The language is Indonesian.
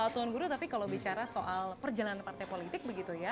tuan guru tapi kalau bicara soal perjalanan partai politik begitu ya